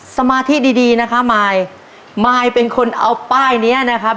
สมาธิดีดีนะคะมายมายเป็นคนเอาป้ายเนี้ยนะครับ